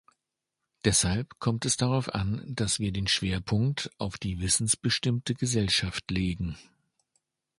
Deshalb kommt es darauf an, dass wir den Schwerpunkt auf die wissensbestimmte Gesellschaft legen.